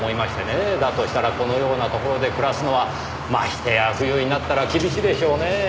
だとしたらこのようなところで暮らすのはましてや冬になったら厳しいでしょうねぇ。